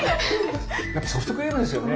やっぱソフトクリームですよね。